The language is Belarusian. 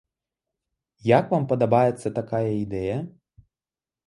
Як вам падабаецца такая ідэя?